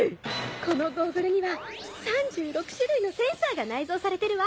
このゴーグルには３６種類のセンサーが内蔵されてるわ。